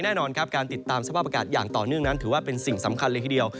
แน่นอนครับการติดตามสภาพอากาศอย่างต่อเนื่องนั้นถือว่าเป็นสิ่งสำคัญเลยทีเดียว